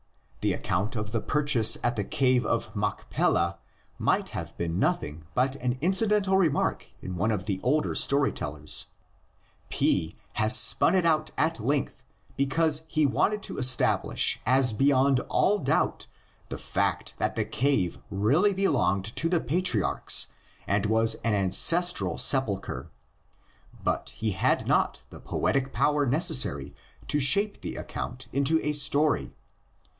The account of the purchase of the cave of Machpelah might have been nothing but an incidental remark in one of the older story tellers; P has spun it out at length because he wanted to establish as beyond all doubt the fact that the cave really belonged to the patriarchs and was an ancestral sepulcher. But he had not the poetic power necessary to shape the account into a story.